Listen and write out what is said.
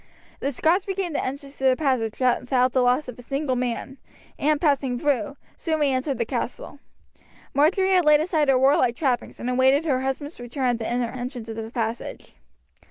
The Scots regained the entrance to the passage without the loss of a single man, and passing through, soon re entered the castle. Marjory had laid aside her warlike trappings and awaited her husband's return at the inner entrance of the passage.